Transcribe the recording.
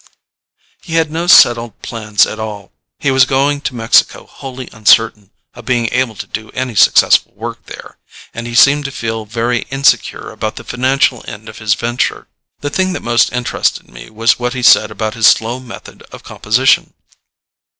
He had no settled plans at all. He was going to Mexico wholly uncertain of being able to do any successful work there, and he seemed to feel very insecure about the financial end of his venture. The thing that most interested me was what he said about his slow method of composition.